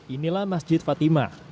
inilah masjid fatima